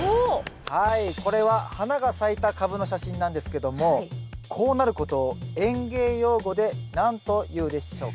はいこれは花が咲いたカブの写真なんですけどもこうなることを園芸用語で何というでしょうか？